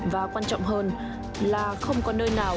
và quan trọng hơn là không có nơi nào